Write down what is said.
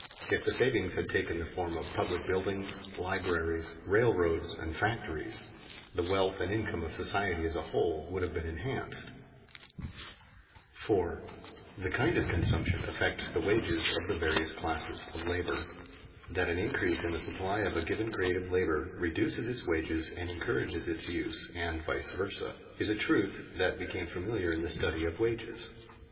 If the savings had taken the form of public buildings, libraries, railroads, and factories, the wealth and income of society as a whole would have been enhanced. [Sidenote: Consumers' choice as affecting wages] 4. The kind of consumption affects the wages of the various classes of labor. That an increase in the supply of a given grade of labor reduces its wages and encourages its use, and vice versa, is a truth that became familiar in the study of wages.